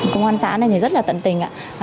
công an xã này rất là tận tình